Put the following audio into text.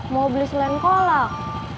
mau beli selain kolak